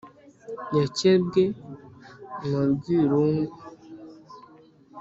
Yakebwe mu rwirungu,